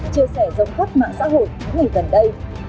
chia sẻ giống khuất mạng xã hội những ngày gần đây